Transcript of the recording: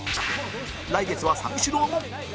来月は三四郎も